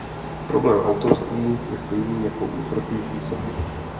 Problém autorství je stejný jako u protější sochy.